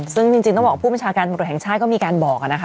ซึ่งจริงต้องบอกผู้บัญชาการตำรวจแห่งชาติก็มีการบอกนะคะ